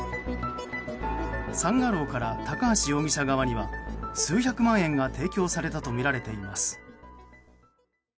サン・アローから高橋容疑者側には数百万円が提供されたとみられています。